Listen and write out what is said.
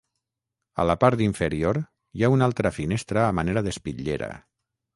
A la part inferior, hi ha una altra finestra a manera d'espitllera.